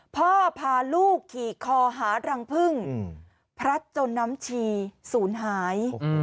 พาลูกขี่คอหารังพึ่งพลัดจนน้ำชีศูนย์หาย